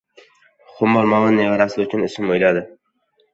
Xumor momo nevarasi uchun ism o‘yladi.